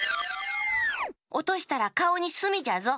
おとしたらかおにすみじゃぞ。